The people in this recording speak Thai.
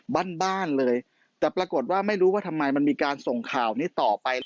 บ้านบ้านเลยแต่ปรากฏว่าไม่รู้ว่าทำไมมันมีการส่งข่าวนี้ต่อไป